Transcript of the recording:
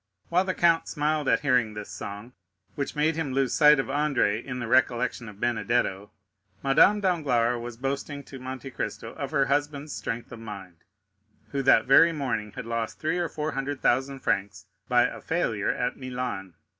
While the count smiled at hearing this song, which made him lose sight of Andrea in the recollection of Benedetto, Madame Danglars was boasting to Monte Cristo of her husband's strength of mind, who that very morning had lost three or four hundred thousand francs by a failure at Milan.